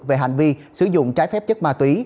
về hành vi sử dụng trái phép chất ma túy